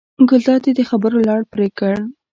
ګلداد یې د خبرو لړ پرې کړ.